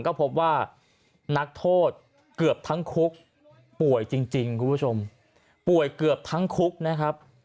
ก็พบว่านักโทษเกือบทั้งคุกป่วยจริงคุณผู้ชมป่วยเกือบทั้งคุกนะครับ